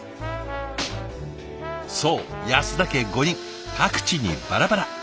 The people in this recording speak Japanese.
そう安田家５人各地にバラバラ。